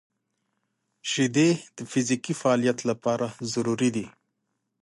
• شیدې د فزیکي فعالیت لپاره ضروري دي.